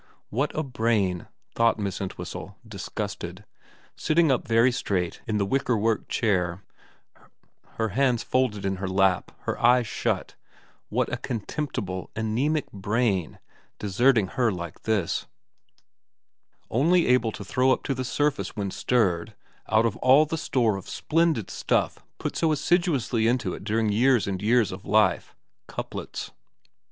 What a brain, thought Miss Entwhistle, disgusted, sitting up very straight in the wickerwork chair, her 340 VERA Lands folded in her lap, her eyes shut ; what a con temptible, anaemic brain, deserting her like this, only able to throw up to the surface when stirred, out of all the store of splendid stuff put so assiduously into it during years and years of life, couplets.